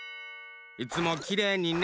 いつもきれいにね。